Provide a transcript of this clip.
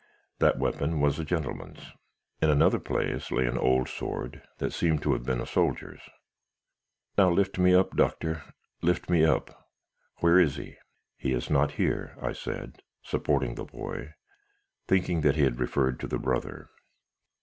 That weapon was a gentleman's. In another place, lay an old sword that seemed to have been a soldier's. "'Now, lift me up, Doctor; lift me up. Where is he?' "'He is not here,' I said, supporting the boy, and thinking that he referred to the brother.